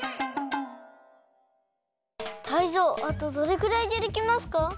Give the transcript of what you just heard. タイゾウあとどれぐらいでできますか？